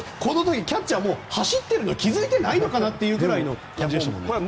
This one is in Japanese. この時、キャッチャーは走ってるのに気付いてないのかなという感じでしたね。